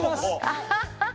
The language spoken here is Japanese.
アハハハッ！